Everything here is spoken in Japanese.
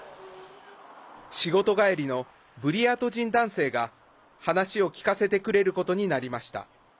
仕事帰りのブリヤート人男性が話を聞かせてくれることになりました。